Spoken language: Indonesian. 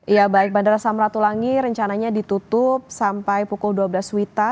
ya baik bandara samratulangi rencananya ditutup sampai pukul dua belas wita